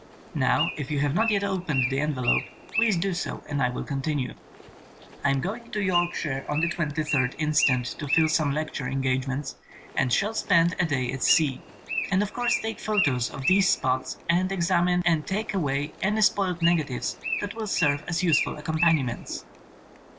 (Now if you have not yet opened the en velope please do so and I will continue ...) I am going to Yorkshire on the 23rd inst. to fill some lecture engagements and shall spend a day at C, and of course take photos of these spots and examine and take away any "spoilt" negatives that will serve as useful accompaniments.